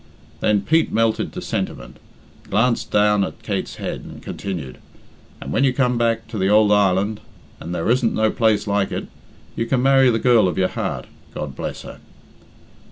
Then Pete melted to sentiment, glanced down at Kate's head, and continued, "And when you come back to the ould island and there isn't no place like it you can marry the girl of your heart, God bless her.